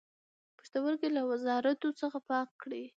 پښتورګی له وازدو څخه پاک کړئ.